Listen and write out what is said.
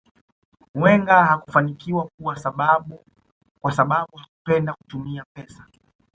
Wenger hakufanikiwa kwa sababu hakupenda kutumia pesa